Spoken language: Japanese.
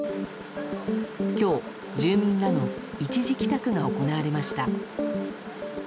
今日、住民らの一時帰宅が行われました。